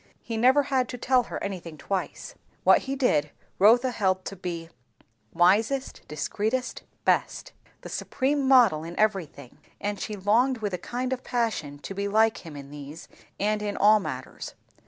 He never had to tell her anything twice. What he did, Rotha held to be "wisest, discreetest, best," the supreme model in everything; and she longed with a kind of passion to be like him in these, and in all matters.